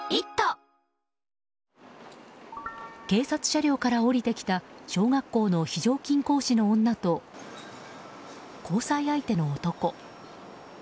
警察車両から降りてきた小学校の非常勤講師の女と交際相手の男。